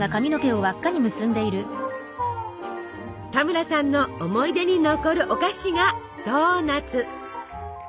田村さんの思い出に残るお菓子がドーナツ。